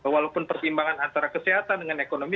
walaupun pertimbangan antara kesehatan dengan ekonomi